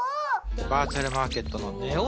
バーチャルマーケットのネオ